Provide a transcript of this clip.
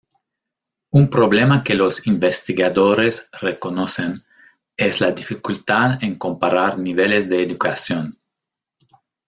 Un problema que los investigadores reconocen es la dificultad en comparar niveles de educación.